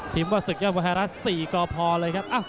พิมพ์ว่าศึกยาวมหารัฐ๔ก็พอเลยครับ